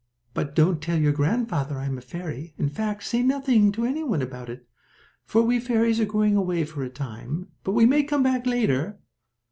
But don't tell your grandfather I am a fairy; in fact, say nothing to any one about it, for we fairies are going away for a time, but we may come back later."